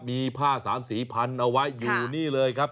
มีผ้าสามสีพันเอาไว้อยู่นี่เลยครับ